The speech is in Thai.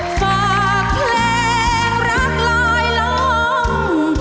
ฝากเพลงรักลายล้อม